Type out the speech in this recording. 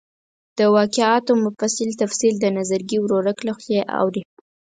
د واقعاتو مفصل تفصیل د نظرګي ورورک له خولې اوري.